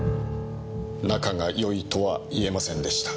仲が良いとはいえませんでした。